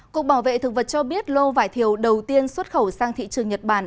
cục bảo vệ thực vật cho biết lô vải thiều đầu tiên xuất khẩu sang thị trường nhật bản